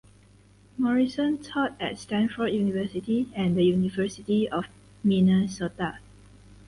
Morrison taught at Stanford University and the University of Minnesota.